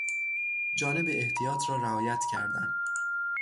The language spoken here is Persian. جانب احتیاط را رعایت کردن